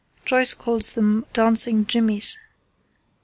Joyce calls them 'dancing jimmies.